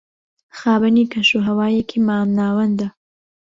خاوەنی کەش و ھەوایەکی مام ناوەندە